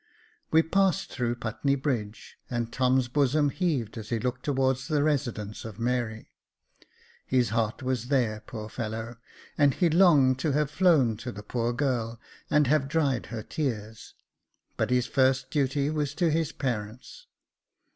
"We passed through Putney Bridge, and Tom's bosom heaved as he looked towards the residence of Mary. His heart was there, poor fellow ! and he longed to have flown to the poor girl, and have dried her tears ; but his first duty was to his parents.